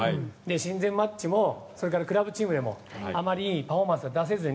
親善マッチもクラブチームでもあまりいいパフォーマンスを出せずに